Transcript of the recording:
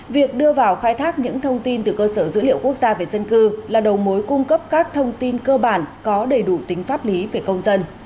việc đưa vào khai thác những thông tin từ cơ sở dữ liệu quốc gia về dân cư là đầu mối cung cấp các thông tin cơ bản có đầy đủ tính pháp lý về công dân